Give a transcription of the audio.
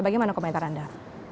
bagaimana komentar anda